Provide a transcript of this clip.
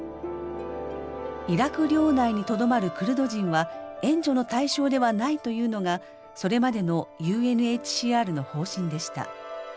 イラク領内にとどまるクルド人は援助の対象ではないというのがそれまでのＵＮＨＣＲの方針でした。